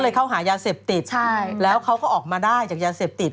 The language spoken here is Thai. เข้าหายาเสพติดใช่แล้วเขาก็ออกมาได้จากยาเสพติด